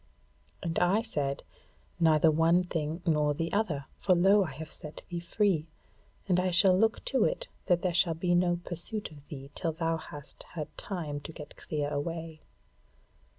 And I said: 'Neither one thing nor the other: for lo! I have set thee free, and I shall look to it that there shall be no pursuit of thee till thou hast had time to get clear away.'